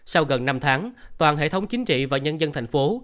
sau gần năm tháng toàn hệ thống chính trị và nhân dân thành phố